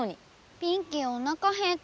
ピンキーおなかへった。